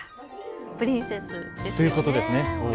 プリンセスということですね。